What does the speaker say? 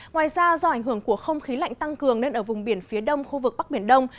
ngoài ra do ảnh hưởng của không khí lạnh tăng cường nên ở vùng biển phía đông khu vực bắc biển đông